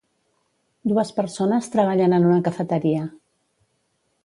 Dues persones treballen en una cafeteria